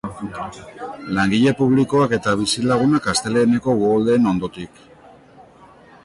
Langile publikoak eta bizilagunak asteleheneko uholdeen ondotik.